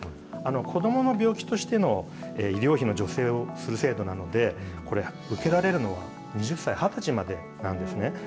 子どもの病気としての医療費の助成をする制度なので、これ、受けられるのは２０歳、はたちまでなんですね。